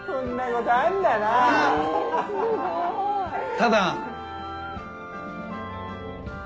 ただ。